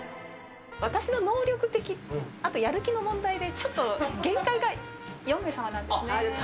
私の能力的、あとやる気の問題で、ちょっと限界が４名様なんですね。